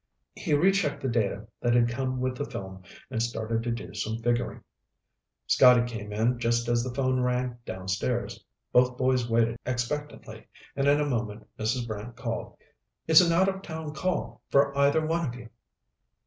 He rechecked the data that had come with the film and started to do some figuring. Scotty came in just as the phone rang downstairs. Both boys waited expectantly, and in a moment Mrs. Brant called. "It's an out of town call, for either one of you."